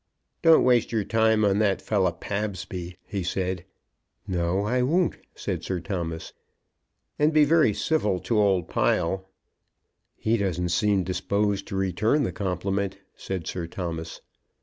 "Don't waste your time on that fellow, Pabsby," he said. "No, I won't," said Sir Thomas. "And be very civil to old Pile." "He doesn't seem disposed to return the compliment," said Sir Thomas.